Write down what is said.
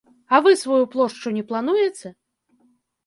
А вы сваю плошчу не плануеце?